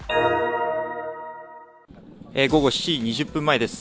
午後７時２０分前です。